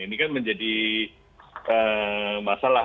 ini kan menjadi masalah